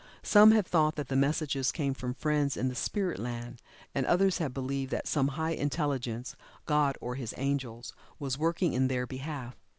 Some have thought that the messages came from friends in the spirit land, and others have believed that some high intelligence God or his angels was working in their behalf.